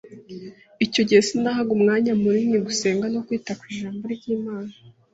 Icyo gihe sinahaga umwanya munini gusenga no kwita ku ijambo ry’Imana